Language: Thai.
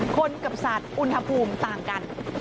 คนกับสัตว์อุณหภูมิต่างกัน